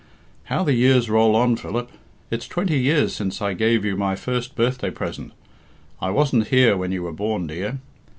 "How the years roll on, Philip! It's twenty years since I gave you my first birthday present I wasn't here when you were born, dear.